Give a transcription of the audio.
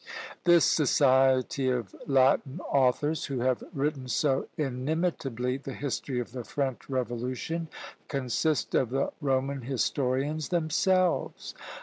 This "Society of Latin Authors," who have written so inimitably the history of the French Revolution, consist of the Roman historians themselves!